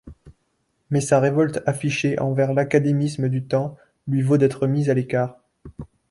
Mais sa révolte affichée envers l'académisme du temps lui vaut d'être mis à l'écart.